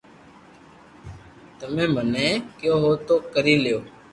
تمي مني ڪيويو تو ڪري ليو